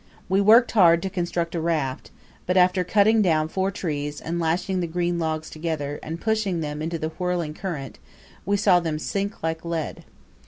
We worked hard to construct a raft, but after cutting down four trees and lashing the green logs together, and pushing them into the whirling current, we saw them sink like lead.